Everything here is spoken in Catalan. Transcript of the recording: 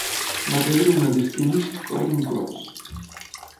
Va rebre una Distinguished Flying Cross.